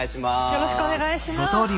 よろしくお願いします。